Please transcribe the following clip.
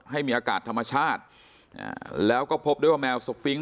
ให้มีอากาศธรรมชาติแล้วก็พบด้วยว่าแมวสฟิงค